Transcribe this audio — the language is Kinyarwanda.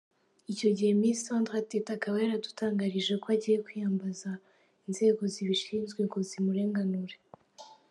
Icyo gihe, Miss Sandra Teta akaba yaradutangarije ko agiye kwiyamabaza inzego zibishinzwe ngo zimurenganure.